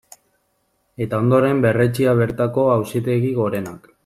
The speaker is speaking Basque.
Eta ondoren berretsia bertako Auzitegi Gorenak.